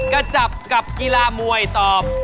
กระจับกับกีฬามวยตอบ